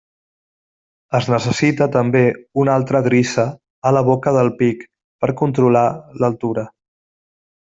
Es necessita també una altra drissa a la boca del pic per controlar l'altura.